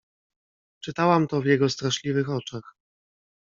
"Czytałam to w jego straszliwych oczach."